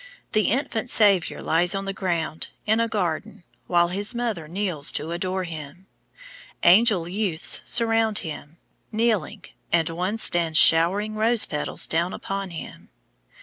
The Infant Saviour lies on the ground, in a garden, while his mother kneels to adore him. Angel youths surround him, kneeling, and one stands showering rose petals down upon him.